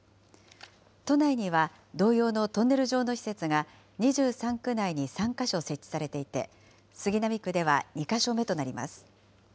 都内には同様のトンネル状の施設が２３区内の３か所設置されていて、杉並区では２か所目となります。